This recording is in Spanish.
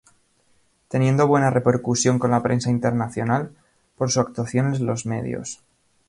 Teniendo buena repercusión con la prensa internacional por su actuación en los medios.